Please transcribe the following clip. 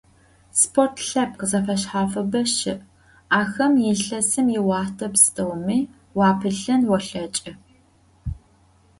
Sport lhepkh zefeşshafıbe şı', axem yilhesım yioxhte psteumi vuapılhın volheç'ı.